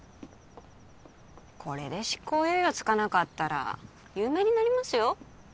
これで執行猶予がつかなかったら有名になりますよ